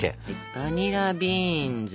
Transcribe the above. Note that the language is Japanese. バニラビーンズ。